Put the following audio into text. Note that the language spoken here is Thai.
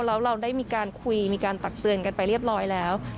แล้วเราได้มีการคุยมีการตักเตือนกันไปเรียบร้อยแล้ว